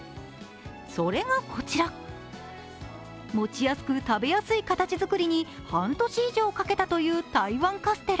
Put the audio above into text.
それがこちら、持ちやすく食べやすい形づくりに半年以上かけたという台湾カステラ。